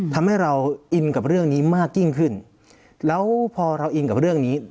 ทำให้เราอินกับเรื่องนี้มากยิ่งขึ้นแล้วพอเราอินกับเรื่องนี้